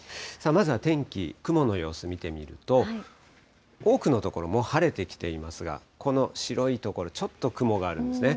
まずは天気、雲の様子見てみると、多くの所、もう晴れてきていますが、この白い所、ちょっと雲があるんですね。